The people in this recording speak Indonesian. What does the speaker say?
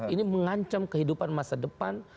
ini mengancam kehidupan masa depan